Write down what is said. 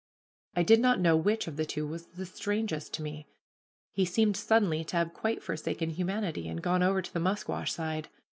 I did not know which of the two was the strangest to me. He seemed suddenly to have quite forsaken humanity, and gone over to the musquash side.